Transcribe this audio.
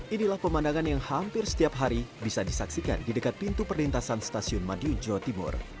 inilah pemandangan yang hampir setiap hari bisa disaksikan di dekat pintu perlintasan stasiun madiun jawa timur